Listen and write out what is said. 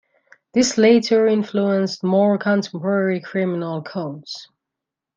This later influenced more contemporary criminal codes.